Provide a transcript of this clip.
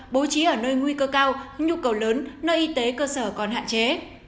bố trí ở nơi nguy cơ cao nhu cầu lớn nơi y tế cơ sở còn hạn chế